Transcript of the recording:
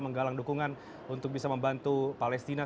menggalang dukungan untuk bisa membantu palestina